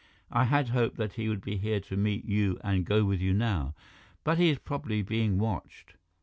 I had hoped that he would be here to meet you and go with you now, but he is probably being watched."